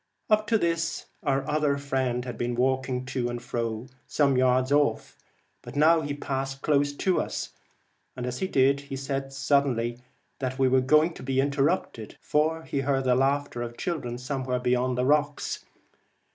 Up to this my other friend had been walking to and fro some yards off, but now he passed close to us, and as he did so said suddenly that we were going to be interrupted, for he heard the laughter of children somewhere beyond the rocks.